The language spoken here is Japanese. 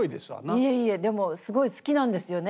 いえいえでもすごい好きなんですよね